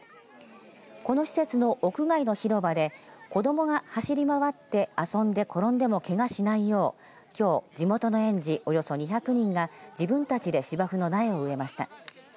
この施設の屋外の広場で子どもが走り回って遊んで転んでもけがしないようきょう、地元の園児およそ２００人が自分たちで芝生の苗を植えました。